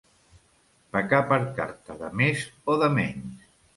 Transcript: Pecar per carta de més o de menys.